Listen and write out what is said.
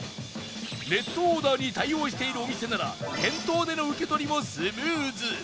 ネットオーダーに対応しているお店なら店頭での受け取りもスムーズ